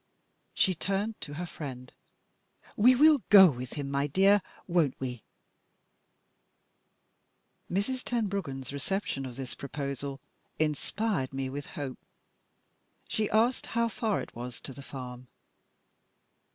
She turned to her friend. "We will go with him, my dear, won't we?" Mrs. Tenbruggen's reception of this proposal inspired me with hope; she asked how far it was to the farm.